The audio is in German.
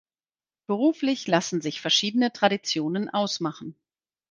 Beruflich lassen sich verschiedene Traditionen ausmachen.